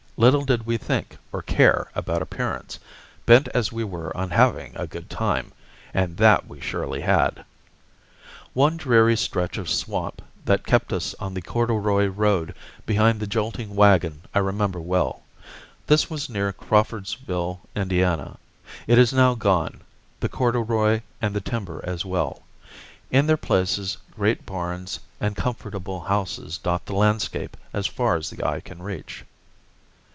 Little did we think or care about appearance, bent as we were on having a good time and that we surely had. [Illustration: On the corduroy road.] One dreary stretch of swamp that kept us on the corduroy road behind the jolting wagon I remember well; this was near Crawfordsville, Indiana. It is now gone, the corduroy and the timber as well. In their places great barns and comfortable houses dot the landscape as far as the eye can reach.